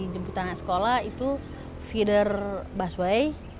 dari jemputan anak sekolah itu feeder busway